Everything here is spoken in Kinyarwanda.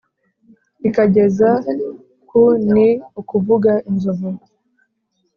Ikageza ku ni ukuvuga inzovu